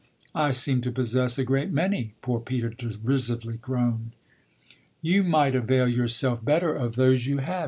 "I seem to possess a great many!" poor Peter derisively groaned. "You might avail yourself better of those you have!